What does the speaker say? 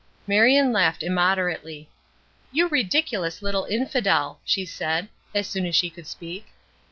Marion laughed immoderately. "You ridiculous little infidel!" she said, as soon as she could speak.